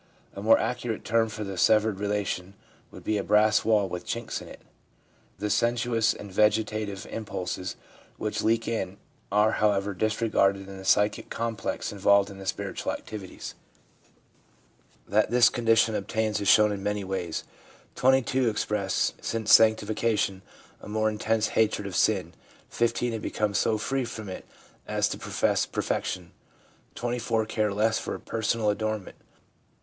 A more accurate term for the severed relation would be a brass wall with chinks in it. The sensuous and the vegetative impulses which leak in are, however, disregarded in the psychic complex in volved in spiritual activities. That this condition obtains is shown in many ways. Twenty two express since sanctification a more intense hatred of sin ; 1 5 have become so free from it as to pro fess perfection; 24 care less for personal adornment.